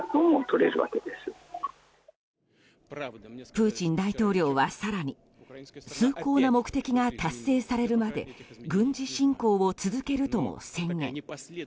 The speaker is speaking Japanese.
プーチン大統領は更に崇高な目的が達成されるまで軍事侵攻を続けると宣言。